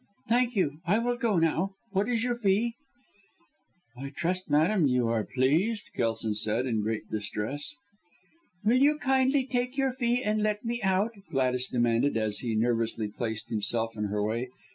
Thank you! I will go now. What is your fee?" "I trust, madam, you are pleased," Kelson said in great distress. "Will you kindly take your fee and let me out," Gladys demanded, as he nervously placed himself in her way.